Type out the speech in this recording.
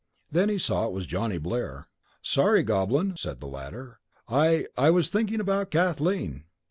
Then he saw it was Johnny Blair. "Sorry, Goblin," said the latter; "I I was thinking about Kathleen."